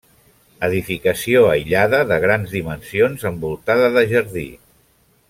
Edificació aïllada de grans dimensions envoltada de jardí.